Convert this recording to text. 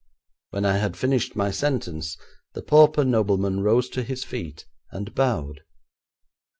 When I had finished my sentence the pauper nobleman rose to his feet, and bowed.